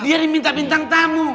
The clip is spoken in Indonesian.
dia diminta bintang tamu